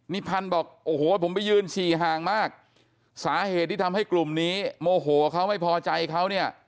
พันธุ์บอกโอ้โหผมไปยืนฉี่ห่างมากสาเหตุที่ทำให้กลุ่มนี้โมโหเขาไม่พอใจเขาเนี่ย